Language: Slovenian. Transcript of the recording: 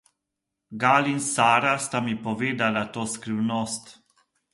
Gal in Sara sta mi povedala to skrivnost.